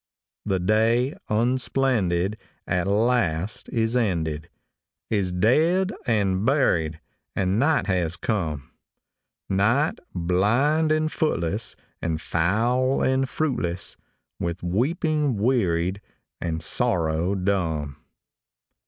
The day, unsplendid, at last is ended, Is dead and buried, and night has come; Night, blind and footless, and foul and fruitless, With weeping wearied, and sorrow dumb.